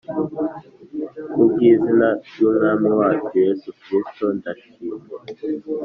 ku bw izina ry Umwami wacu Yesu Kristo ndashimye